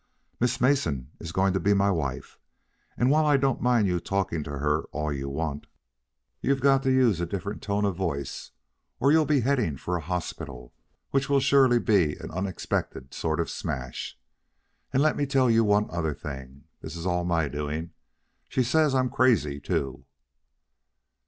"Miss Mason is going to be my wife, and while I don't mind your talking to her all you want, you've got to use a different tone of voice or you'll be heading for a hospital, which will sure be an unexpected sort of smash. And let me tell you one other thing. This all is my doing. She says I'm crazy, too."